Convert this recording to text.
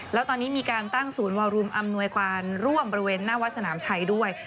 แล้วตอนนี้มีการตั้งศูนย์วารุมอำนวยความร่วมบริเวณหน้าวัดสนามชัยด้วย